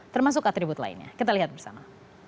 termasuk atribut lainnya kita lihat bersama